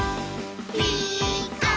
「ピーカーブ！」